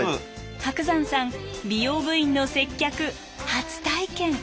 伯山さん美容部員の接客初体験。